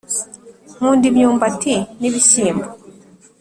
nkunda imyumbati nibishyimbo